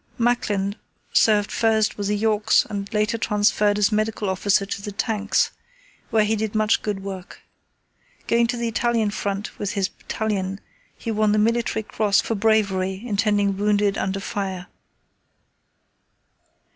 Macklin served first with the Yorks and later transferred as medical officer to the Tanks, where he did much good work. Going to the Italian front with his battalion, he won the Military Cross for bravery in tending wounded under fire.